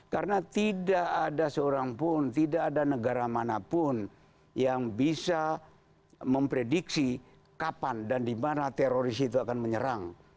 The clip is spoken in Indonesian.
karena tidak ada seorang pun tidak ada negara manapun yang bisa memprediksi kapan dan di mana teroris itu akan menyerang